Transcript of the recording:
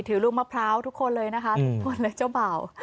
ถือลูกมะพร้าวทุกคนเลยนะครับทุกคนเลยเจ้าเบา